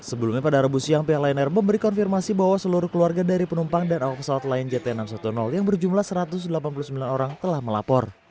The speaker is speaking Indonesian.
sebelumnya pada rabu siang pihak lion air memberi konfirmasi bahwa seluruh keluarga dari penumpang dan awak pesawat lion jt enam ratus sepuluh yang berjumlah satu ratus delapan puluh sembilan orang telah melapor